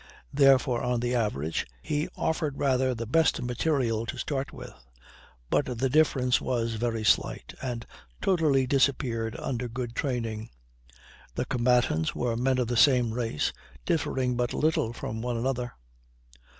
Therefore, on the average, he offered rather the best material to start with; but the difference was very slight, and totally disappeared under good training. The combatants were men of the same race, differing but little from one another.